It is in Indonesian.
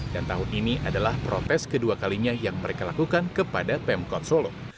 dan tahun ini adalah protes kedua kalinya yang mereka lakukan kepada pemkot solo